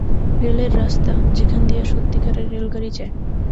রেলের রাস্তা, যেখান দিয়া সত্যিকারের রেলগাড়ি যায়!